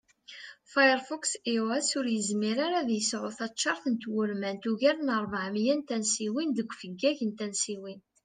Firefox iOS ur yizmir ara ad yesεu taččart tawurmant i ugar n rbeɛ miyya n tansiwin deg ufeggag n tansiwin